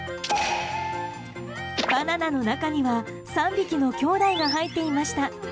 バナナの中には３匹のきょうだいが入っていました。